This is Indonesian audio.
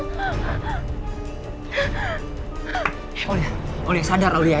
aulia aulia sadar aulia ya